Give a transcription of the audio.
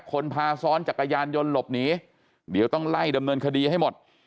คนพาซ้อนจักรยานยนต์หลบหนีเดี๋ยวต้องไล่ดำเนินคดีให้หมด